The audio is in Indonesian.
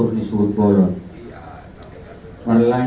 dan mengucapkan salam kepada anda